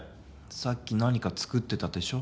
さっき何か作ってたでしょ？